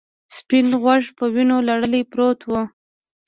سپین غوږ په وینو لړلی پروت و.